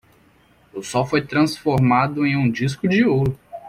O sol foi transformado em um disco de ouro.